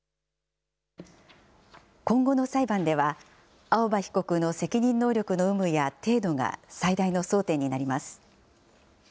今後の裁判では、青葉被告の責任能力の有無や程度が最大の争点になります。